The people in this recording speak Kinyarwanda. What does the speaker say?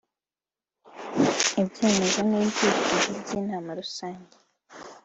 ibyemezo n ibyifuzo by Inama Rusange